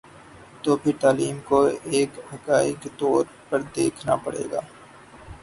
تو پھر تعلیم کو ایک اکائی کے طور پر دیکھنا پڑے گا۔